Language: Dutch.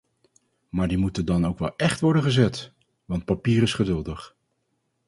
Maar die moeten dan ook wel echt worden gezet, want papier is geduldig.